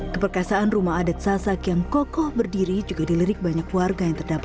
keperkasaan rumah adat sasak yang kokoh berdiri juga dilirik banyak warga yang terdapat